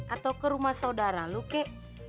atau ke rumah saudara lu kek